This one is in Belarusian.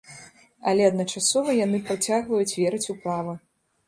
Але адначасова яны працягваюць верыць у права.